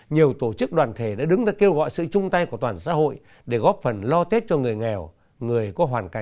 nhiều tổ chức đoàn thể đã đứng ra kêu gọi sự chung tay của toàn xã hội để góp phần lo tết cho người nghèo người có hoàn cảnh